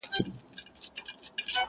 له خوږو او له ترخو نه دي جارېږم.